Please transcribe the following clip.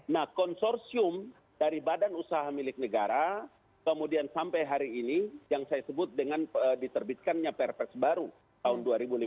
nah konsorsium dari badan usaha milik negara kemudian sampai hari ini yang saya sebut dengan diterbitkannya perpres baru tahun dua ribu lima belas